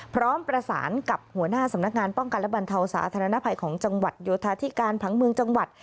พร้อมประสานกับหัวหน้าสำนักงานป้องกันและบรรเทาสาธารณภัยของจังหวัดโยธาธิการผังเมืองจังหวัด